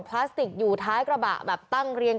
เพราะถูกทำร้ายเหมือนการบาดเจ็บเนื้อตัวมีแผลถลอก